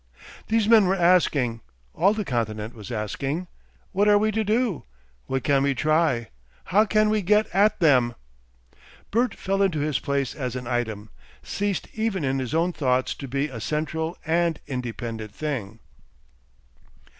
These men were asking, all the continent was asking, "What are we to do? What can we try? How can we get at them?" Bert fell into his place as an item, ceased even in his own thoughts to be a central and independent thing.